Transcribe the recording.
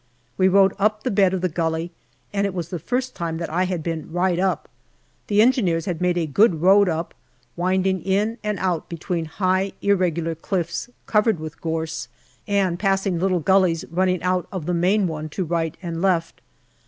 We rode up the bed of the gully, and it was the first time that I had been right up. The Engineers had made a good road up, winding in and out between high, irregular cliffs, covered with gorse, and passing little gullies running out of the main one, to right and left.